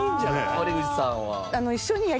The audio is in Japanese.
森口さんは？